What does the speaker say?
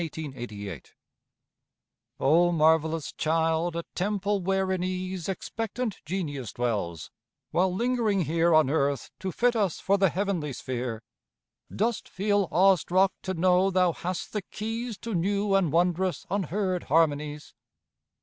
_) O marvellous child, a temple where in ease Expectant Genius dwells, while lingering here On earth to fit us for the heavenly sphere, Dost feel awe struck to know thou hast the keys To new and wondrous unheard harmonies?